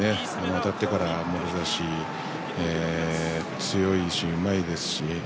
あたってからもろ差しが強いしうまいですしね。